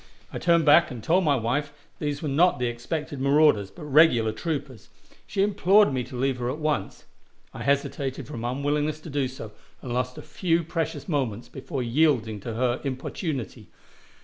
I turned back and told my wife these were not the expected marauders, but regular troopers. She implored me to leave her at once. I hesitated, from unwillingness to do so, and lost a few precious moments before yielding to her importunity.